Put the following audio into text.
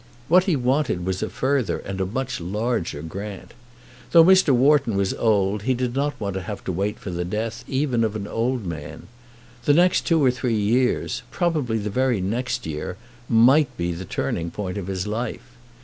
What he wanted was a further and a much larger grant. Though Mr. Wharton was old he did not want to have to wait for the death even of an old man. The next two or three years, probably the very next year, might be the turning point of his life.